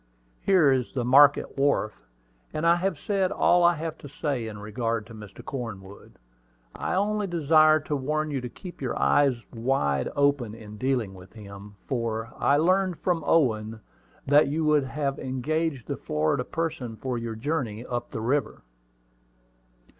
Here is the market wharf; and I have said all I have to say in regard to Mr. Cornwood. I only desire to warn you to keep your eyes wide open in dealing with him, for I learned from Owen that you have engaged the Florida person for your journey up the river."